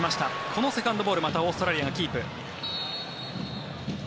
このセカンドボールまたオーストラリアがキープ。